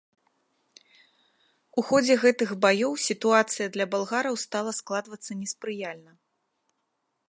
У ходзе гэтых баёў сітуацыя для балгараў стала складвацца неспрыяльна.